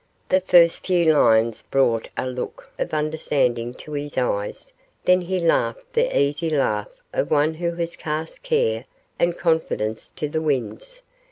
The first few lines brought a look of understanding to his eyes; then he laughed the easy laugh of one who has cast care and confidence to the winds.